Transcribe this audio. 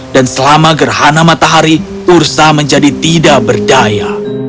dan selama gerhana matahari ursa menjadi tidak berdaya